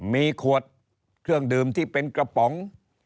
มีขวดเครื่องดื่มที่เป็นกระป๋อง